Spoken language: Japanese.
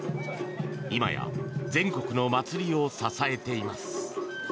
今や全国の祭りを支えています。